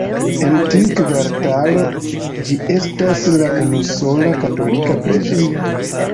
En tiu kvartalo ĝi estas la unusola katolika preĝejo.